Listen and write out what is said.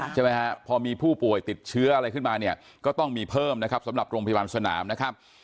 ใช่ไหมฮะพอมีผู้ป่วยติดเชื้ออะไรขึ้นมาเนี่ยก็ต้องมีเพิ่มนะครับสำหรับโรงพยาบาลสนามนะครับ